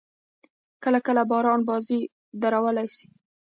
کله – کله باران بازي درولای سي.